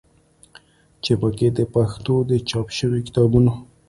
چې په کې د پښتو د چاپ شوي کتابونو